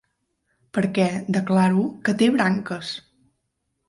Perquè, declaro, que té branques!